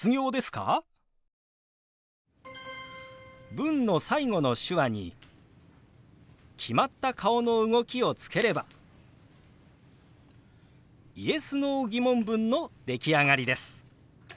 文の最後の手話に決まった顔の動きをつければＹｅｓ／Ｎｏー疑問文の出来上がりです。